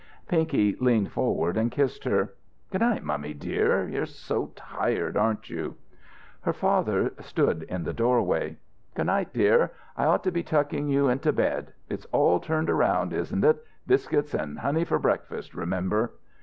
Pinky leaned forward and kissed her. "Good night, mummy dear. You're so tired, aren't you?" Her father stood in the doorway. "Good night, dear. I ought to be tucking you into bed. It's all turned around, isn't it? Biscuits and honey for breakfast, remember."